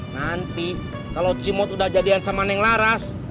nanti kalau cimot udah jadian sama neng laras